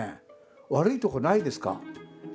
悪いとこないですか？